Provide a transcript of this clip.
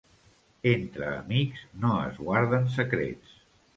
Entre amics, no es guarden secrets.